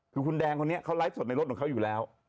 คือคุณแดงคนนี้เขาไลฟ์สดในรถของเขาอยู่แล้ว